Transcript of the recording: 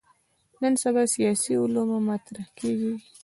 نن سبا سیاسي علومو مطرح کېږي.